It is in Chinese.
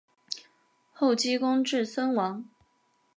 后积功至森王。